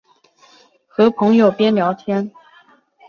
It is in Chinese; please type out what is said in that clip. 和朋友边聊天